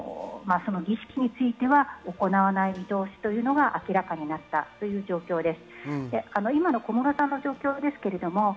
ただこの度、儀式については行わない見通しというのは明らかになったという状況です。